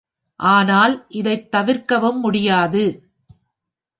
ஆனால், இதைத் தவிர்க்கவும் முடியாது.